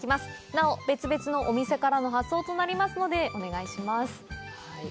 なお別々のお店からの発送となりますのでお願いします